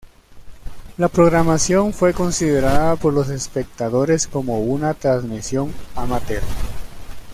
La programación fue considerada por los espectadores como una transmisión "amateur".